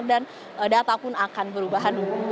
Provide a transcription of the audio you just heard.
dan data pun akan berubah